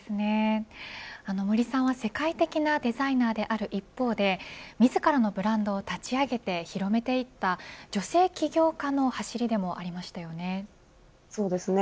森さんは世界的なデザイナーである一方で自らのブランドを立ち上げて広めていった女性起業家のはしりでもありましたよね。